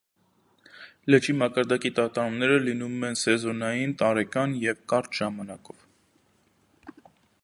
Լճի մակարդակի տատանումները լինում են սեզոնային, տարեկան և կարճ ժամանակով։